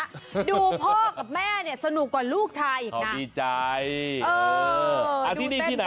ดูพ่อกับแม่สนุกกว่าลูกชายอีกนะ